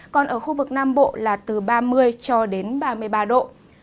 còn ở khu vực nam bộ là từ ba mươi cho đến ba mươi ba độ